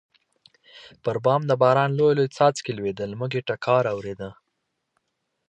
پر بام د باران لوی لوی څاڅکي لوېدل، موږ یې ټکهار اورېده.